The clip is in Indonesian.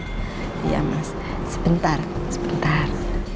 iya mas sebentar sebentar